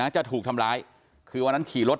จะถูกทำร้ายคือวันนั้นขี่รถ